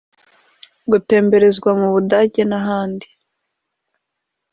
gutemberezwa mu Budage n’ahandi